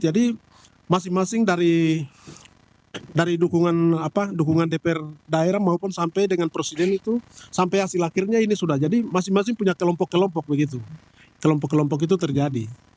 jadi masing masing dari dukungan dpr daerah maupun sampai dengan presiden itu sampai hasil akhirnya ini sudah jadi masing masing punya kelompok kelompok begitu kelompok kelompok itu terjadi